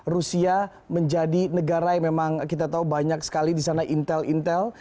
rusia menjadi negara yang memang kita tahu banyak sekali di sana intel intel